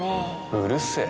うるせえ